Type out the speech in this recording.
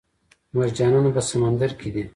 مرجانونه په سمندر کې دي